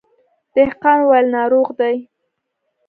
دهقان وويل ناروغ دی.